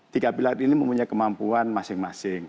tiga pilar ini mempunyai kemampuan masing masing